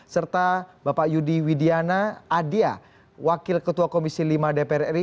serta bapak yudi widiana adia wakil ketua komisi lima dpr ri